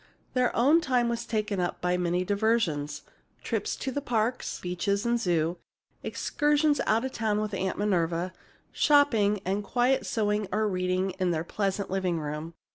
Their own time was taken up by many diversions: trips to the parks, beaches, and zoo; excursions out of town with Aunt Minerva; shopping, and quiet sewing or reading in their pleasant living room.